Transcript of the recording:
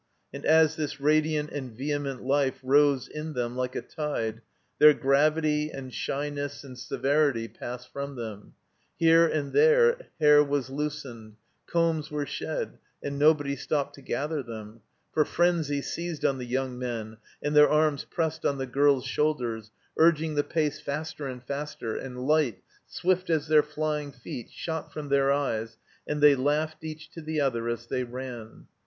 And as this radiant and vehement life rose in them like a tide their gravity and shyness and severity passed from them; here and there hair was loosened, combs were shed, and nobody stopped to gather them; for frenzy seized on the young men, and their arms pressed on the girls' shoulders, urging the pace faster and faster; and light, swift as their flying feet, shot from their eyes, and they laughed each to the other as they ran.